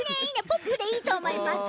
ポップでいいとおもいます。